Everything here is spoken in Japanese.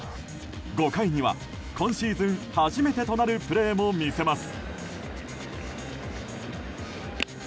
５回には今シーズン初めてとなるプレーも見せます。